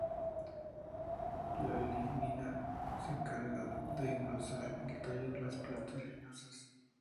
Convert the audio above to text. La lignina se encarga de engrosar el tallo de las plantas leñosas.